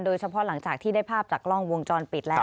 หลังจากที่ได้ภาพจากกล้องวงจรปิดแล้ว